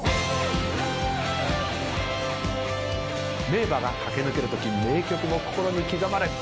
名馬が駆け抜けるときに名曲も心に刻まれる。